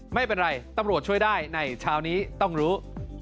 ไม่เป็นไรตำรวจช่วยได้ในเช้านี้ต้องรู้